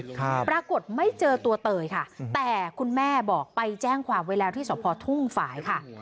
ปรากฏไม่เจอตัวเตยค่ะแต่คุณแม่บอกไปแจ้งความไว้แล้วที่สพทุ่งฝ่ายค่ะ